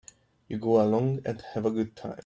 You go along and have a good time.